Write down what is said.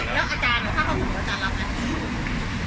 แย้งสนเอก